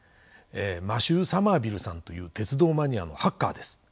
マシュー・サマービルさんという鉄道マニアのハッカーです。